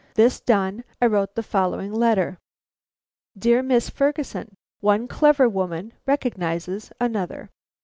This done, I wrote the following letter: "DEAR MISS FERGUSON: "One clever woman recognizes another.